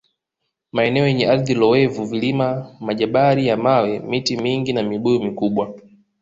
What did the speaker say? Maeneo yenye ardhi loevu Vilima Majabari ya mawe miti mingi na Mibuyu mikubwa